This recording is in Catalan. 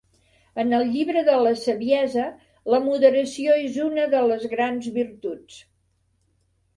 En el Llibre de la Saviesa, la moderació és una de les grans virtuts.